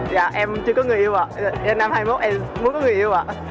và em chưa có người yêu ạ năm hai nghìn hai mươi một em muốn có người yêu ạ